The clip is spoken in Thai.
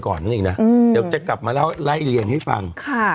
ก็กลับกับมาแล้วแล้วให้ฟัง